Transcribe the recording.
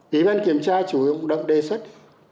ủy ban kiểm tra chủ động động đề xuất